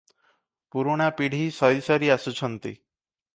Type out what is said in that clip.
ପୁରୁଣା ପିଢ଼ି ସରିସରି ଆସୁଛନ୍ତି ।